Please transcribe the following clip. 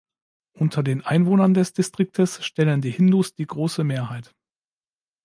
Unter den Einwohnern des Distriktes stellen die Hindus die große Mehrheit.